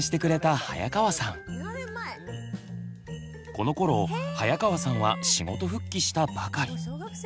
このころ早川さんは仕事復帰したばかり。